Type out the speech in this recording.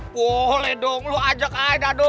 boleh dong lo ajak aja dado